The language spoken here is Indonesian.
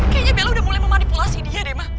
kayaknya bella sudah mulai memanipulasi dia deh ma